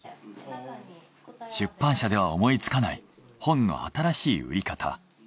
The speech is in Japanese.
出版社では思いつかない本の新しい売り方。